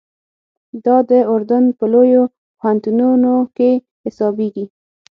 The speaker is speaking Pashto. دا د اردن په لویو پوهنتونو کې حسابېږي.